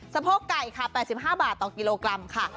โพกไก่ค่ะ๘๕บาทต่อกิโลกรัมค่ะ